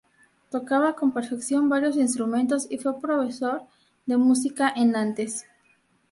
Tocaba con perfección varios instrumentos y fue profesor de música en Nantes.